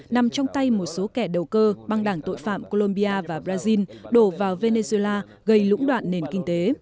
nằm trong tay một số kẻ đầu cơ băng đảng tội phạm colombia và brazil đổ vào venezuela gây lũng đoạn nền kinh tế